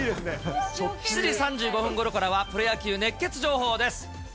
７時３５分ごろからは、プロ野球熱ケツ情報です。